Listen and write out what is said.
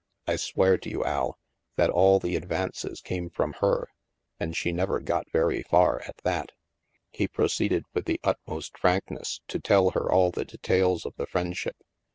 I swear to you, Al, that all the advances came from her, and she never got very far, at that." He proceeded, with the utmost frankness, to tell her all the details of the friendship. Mrs.